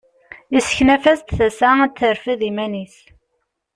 Yesseknaf-as-d tasa ad d-terfed iman-is.